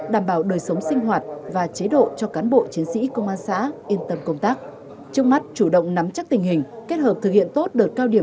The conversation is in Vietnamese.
đảm bảo đời sống sinh hoạt và chế độ cho cán bộ chiến sĩ công an xã yên tâm công tác